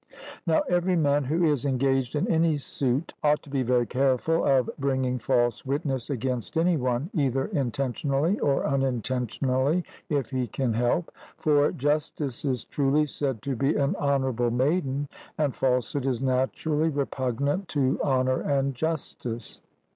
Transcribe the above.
Now every man who is engaged in any suit ought to be very careful of bringing false witness against any one, either intentionally or unintentionally, if he can help; for justice is truly said to be an honourable maiden, and falsehood is naturally repugnant to honour and justice.